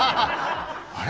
あれ？